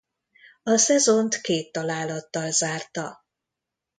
A szezont két találattal zárta.